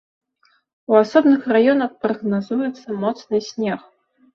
У асобных раёнах прагназуецца моцны снег.